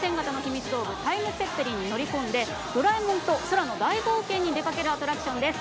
道具タイムツェッペリンに乗り込んでドラえもんと空の大冒険に出かけるアトラクションです。